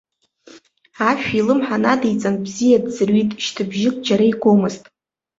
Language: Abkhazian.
Ашә илымҳа надиҵан бзиа дӡырҩит, шьҭыбжьык џьара игомызт.